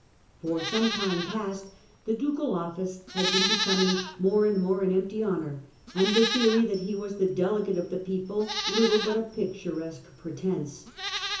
For some time past the Ducal office had been becoming more and more an empty honour, and the theory that he was the delegate of the people little but a picturesque pretence.